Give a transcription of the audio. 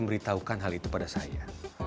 memberitahukan hal itu pada saya